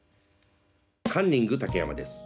カンニング竹山です。